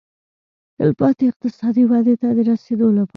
تلپاتې اقتصادي ودې ته د رسېدو لپاره.